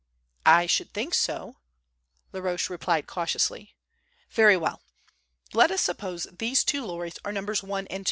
"I should think so," Laroche replied cautiously. "Very well. Let us suppose these two lorries are Nos. 1 and 2.